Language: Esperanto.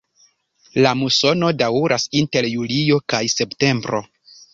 La musono daŭras inter julio kaj septembro.